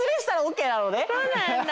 そうなんだ。